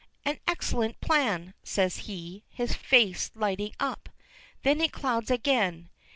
"An excellent plan," says he, his face lighting up. Then it clouds again.